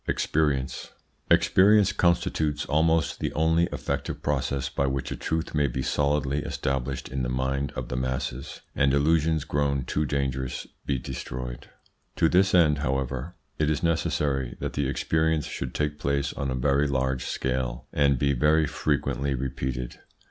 EXPERIENCE Experience constitutes almost the only effective process by which a truth may be solidly established in the mind of the masses, and illusions grown too dangerous be destroyed. To this end, however, it is necessary that the experience should take place on a very large scale, and be very frequently repeated.